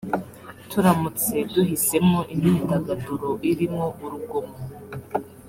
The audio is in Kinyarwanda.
turamutse duhisemo imyidagaduro irimo urugomo